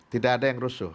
tidak ada yang rusuh